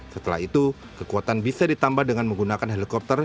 setelah itu kekuatan bisa ditambah dengan menggunakan helikopter